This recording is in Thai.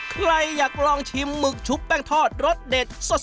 ใครอยากลองชิมหมึกชุบแป้งทอดรสเด็ดสด